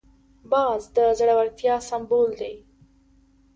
باز د زړورتیا سمبول دی